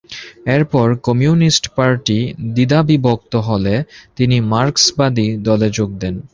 এরপর communist party দ্বিধাবিভক্ত হলে তিনি মার্কসবাদী দলে যোগ দেন।